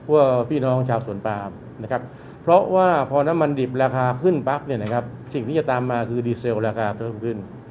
เพื่อพี่น้องชาวสวนปามนะครับเพราะว่าพอน้ำมันดิบราคาขึ้นปั๊บเนี่ยนะครับสิ่งที่จะตามมาคือดีเซลราคาเพิ่มขึ้น